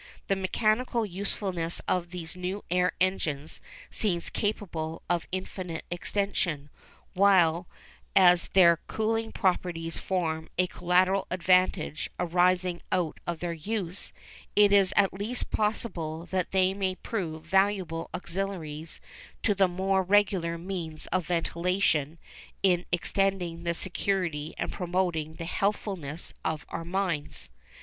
The mechanical usefulness of these new air engines seems capable of indefinite extension; while, as their cooling properties form a collateral advantage arising out of their use, it is at least possible that they may prove valuable auxiliaries to the more regular means of ventilation in extending the security and promoting the healthfulness of our mines.